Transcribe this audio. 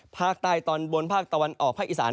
ภาคใต้ตอนบนภาคตะวันออกภาคอีสาน